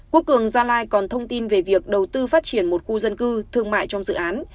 quốc cường gia lai còn thông tin về việc đầu tư phát triển một khu dân cư thương mại trong dự án